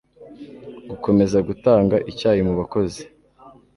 gukomeza gutanga icyayi mubakozi